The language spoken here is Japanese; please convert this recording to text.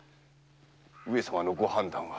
上様のご判断は？